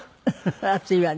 暑いわね。